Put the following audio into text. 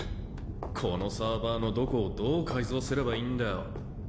このサーバーのどこをどう改造すればいいんだよ。